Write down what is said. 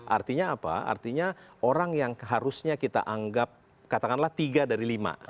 artinya apa artinya orang yang harusnya kita anggap katakanlah tiga dari lima